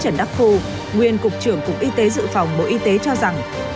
nguyên cục trưởng cục y tế dự phòng bộ y tế cho rằng